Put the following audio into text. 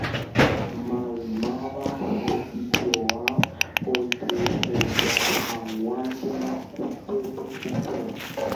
Maymáva he'ijoa ojehejahag̃uántema upépe upéva.